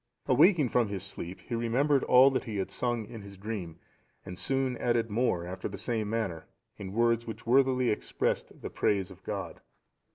Awaking from his sleep, he remembered all that he had sung in his dream, and soon added more after the same manner, in words which worthily expressed the praise of God.